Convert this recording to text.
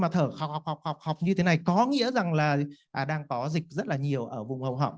nếu như mà người ta có ứ động ấy mà thở khọc khọc như thế này có nghĩa rằng là đang có dịch rất là nhiều ở vùng hồng họng